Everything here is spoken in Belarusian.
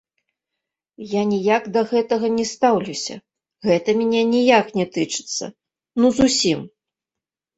Я ніяк да гэтага не стаўлюся, гэта мяне ніяк не тычыцца, ну, зусім.